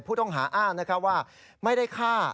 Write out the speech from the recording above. ผู้ต้องหาอ้างว่าไม่ได้ฆ่า